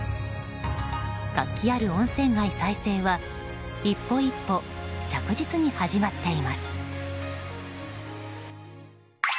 活気ある温泉街再生は一歩一歩、着実に始まっています。